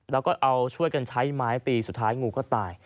แล้วก็เอาช่วยกันใช้ไม้ตีสุดท้ายงูก็ตาย